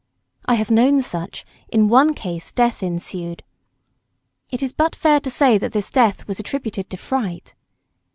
I have known such in one case death ensued. It is but fair to say that this death was attributed to fright.